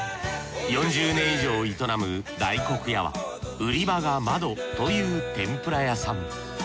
４０年以上営む大国屋は売り場が窓という天ぷら屋さん。